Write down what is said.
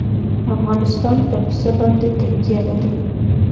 افغانستان په پسه باندې تکیه لري.